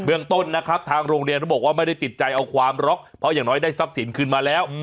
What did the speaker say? เรื่องต้นนะครับทางโรงเรียนเขาบอกว่าไม่ได้ติดใจเอาความหรอกเพราะอย่างน้อยได้ทรัพย์สินคืนมาแล้ว